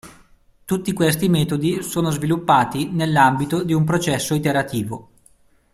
Tutti questi metodi sono sviluppati nell'ambito di un processo iterativo.